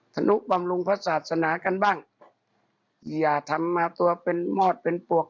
นุบำรุงพระศาสนากันบ้างอย่าทำมาตัวเป็นมอดเป็นปวก